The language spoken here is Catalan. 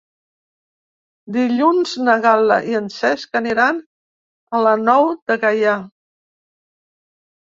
Dilluns na Gal·la i en Cesc aniran a la Nou de Gaià.